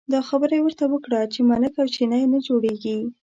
دا خبره یې ورته وکړه چې ملک او چینی نه جوړېږي.